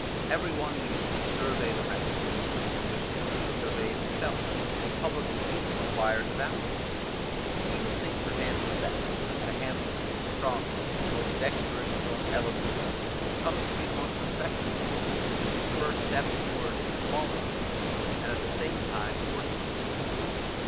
Every one begins to survey the rest, and wishes to be surveyed himself; and public esteem acquires a value. He who sings or dances best; the handsomest, the strongest, the most dexterous, the most eloquent, comes to be the most respected: this was the first step towards inequality, and at the same time towards vice.